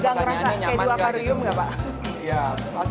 gak ngerasa kayak di waparium gak pak